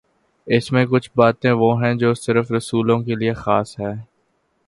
اس میںکچھ باتیں وہ ہیں جو صرف رسولوں کے لیے خاص ہیں۔